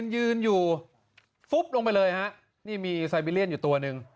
ยืนอยู่ลงไปเลยนี่มีไซบิเรียนอยู่ตัวนึง